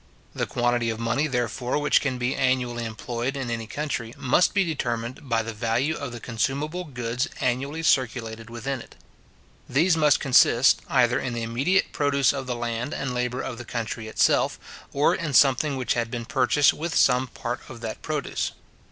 The quantity of money, therefore, which can be annually employed in any country, must be determined by the value of the consumable goods annually circulated within it. These must consist, either in the immediate produce of the land and labour of the country itself, or in something which had been purchased with some part of that produce.